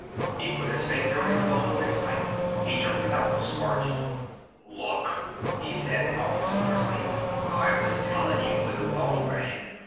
He put his finger in the bowl of his pipe. He jerked it out, scorched. "Look!" he said almost hoarsely, "I was tellin' you when the phone rang!